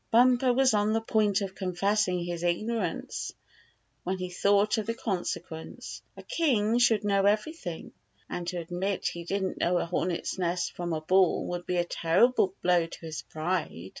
Bumper was on the point of confessing his ignorance when he thought of the consequence. A king should know everything, and to admit he didn't know a hornet's nest from a ball would be a terrible blow to his pride.